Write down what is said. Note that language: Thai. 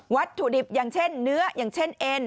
วัตถุดิบอย่างเช่นเนื้ออย่างเช่นเอ็น